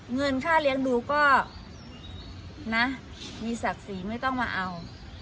เงินค่าเลี้ยงดูก็นะมีศักดิ์ศรีไม่ต้องมาเอา